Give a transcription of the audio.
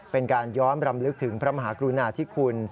เป็นการย้อมรำลึกถึงพระมหากรุณาธิคุณ